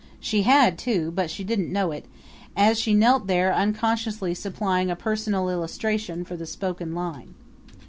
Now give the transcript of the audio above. She had too, but she didn't know it, as she knelt there unconsciously supplying a personal illustration for the spoken line.